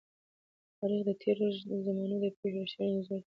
تاریخ د تېرو زمانو د پېښو رښتينی انځور دی.